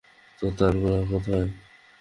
তো, তারা কোথায়?